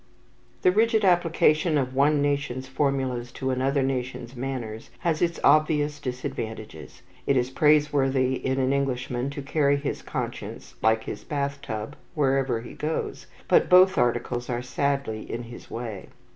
The rigid application of one nation's formulas to another nation's manners has its obvious disadvantages. It is praiseworthy in an Englishman to carry his conscience like his bathtub wherever he goes, but both articles are sadly in his way.